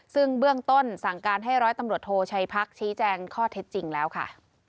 ซึ่งเบื้องต้นสั่งการให้ร้อยตำรวจโทชัยพักชี้แจงข้อเท็จจริงแล้วค่ะ